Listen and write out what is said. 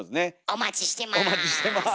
お待ちしてます。